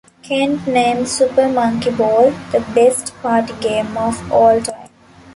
Kent named "Super Monkey Ball" "the best party game of all time.